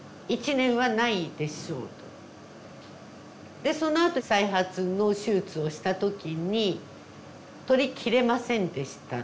でそのあと再発の手術をした時に取りきれませんでした。